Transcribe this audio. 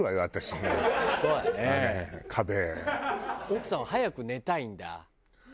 奥さんは早く寝たいんだ。